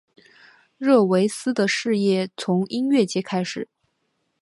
热维斯的事业从音乐界开始。